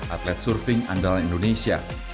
atlet surfing andalan indonesia